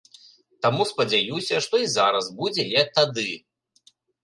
Таму спадзяюся, што і зараз будзе як тады.